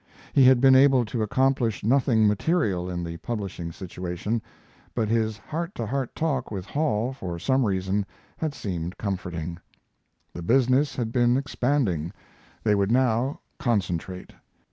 He had been able to accomplish nothing material in the publishing situation, but his heart to heart talk with Hall for some reason had seemed comforting. The business had been expanding; they would now "concentrate."